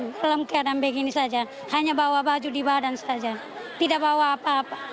dalam keadaan begini saja hanya bawa baju di badan saja tidak bawa apa apa